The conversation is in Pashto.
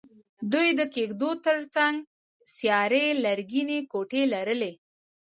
دوی د کېږدیو تر څنګ سیارې لرګینې کوټې لرلې.